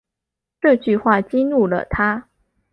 这句话激怒了他